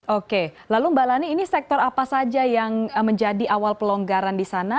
oke lalu mbak lani ini sektor apa saja yang menjadi awal pelonggaran di sana